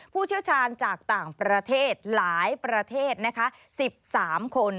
ผู้เชี่ยวชาญจากต่างประเทศหลายประเทศนะคะ๑๓คน